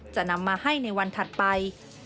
จะนำมาให้ในวันถัดไป